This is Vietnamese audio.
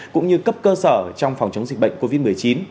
cũng như cấp cơ sở trong phòng chống dịch bệnh covid một mươi chín